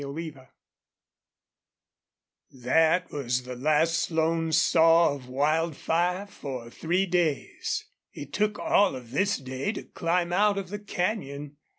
CHAPTER VI That was the last Slone saw of Wildfire for three days. It took all of this day to climb out of the canyon.